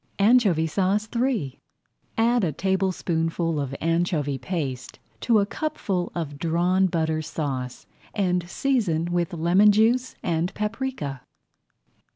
ANCHOVY SAUCE III Add a tablespoonful of anchovy paste to a cupful of Drawn Butter Sauce and season with lemon juice and paprika.